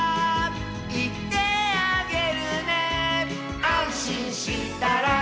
「いってあげるね」「あんしんしたら」